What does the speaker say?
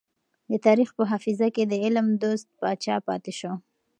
د تاريخ په حافظه کې د علم دوست پاچا پاتې شو.